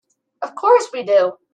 Of course we do.